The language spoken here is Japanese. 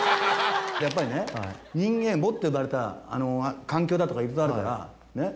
やっぱりね人間持って生まれた環境だとかいろいろあるから。